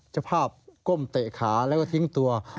เจ้าภาพก้มเตะขาแล้วก็ทิ้งตัว